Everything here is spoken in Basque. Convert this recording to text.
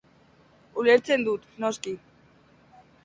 Ulertzen dut, noski.